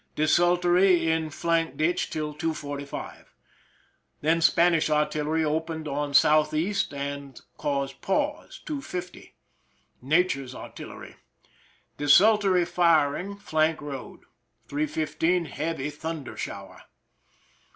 Desultory in flank ditch till 2:45. Then Spanish artillery opened on southeast and caused pause, 2 : 50. Nature's artillery. Desultory firing^ flank road. 3 :15, heavy thunder shower.